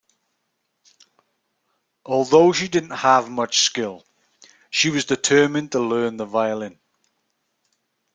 Although she didn't have much skill, she was determined to learn the violin.